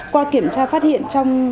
qua kiểm tra phát hiện trong